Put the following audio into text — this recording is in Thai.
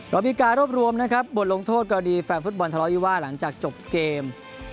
เรามีการรวบรวมนะครับบทลงโทษกรณีแฟนฟุตบอลทะเลาวิวาสหลังจากจบเกม